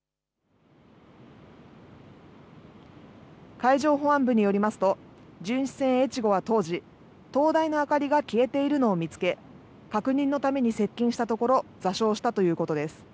海上保安部によりますと巡視船えちごは当時、灯台の明かりが消えているのを見つけ確認のために接近したところ座礁したということです。